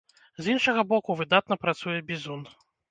З іншага боку, выдатна працуе бізун.